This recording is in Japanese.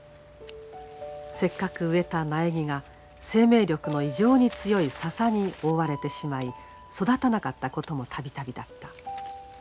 せっかく植えた苗木が生命力の異常に強い笹に覆われてしまい育たなかったことも度々だった。